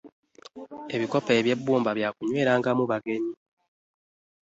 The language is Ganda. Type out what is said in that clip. Ebikopo ebyebumba byakunywerangamu bagenyi.